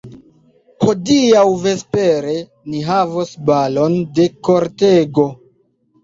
Hodiaŭ vespere ni havos balon de kortego!